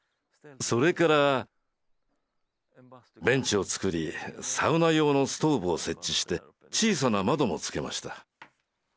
それからベンチをつくりサウナ用のストーブを設置して小さな窓も付けました。